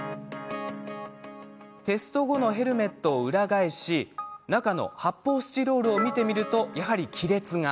テスト後のヘルメットを裏返し中の発砲スチロールを見てみるとやはり亀裂が。